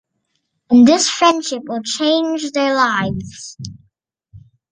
And this friendship will change their lives…